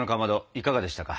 いかがでしたか？